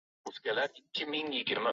Ikki yonga qator stullar tizilgan.